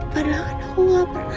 pernah kan aku gak pernah